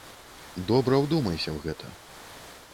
Добра ўдумайся ў гэта.